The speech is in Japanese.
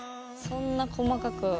そんな細かく。